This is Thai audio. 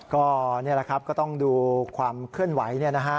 ก็นี่แหละครับก็ต้องดูความเคลื่อนไหว